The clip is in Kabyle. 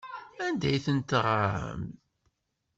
Anda ay tent-teɣram?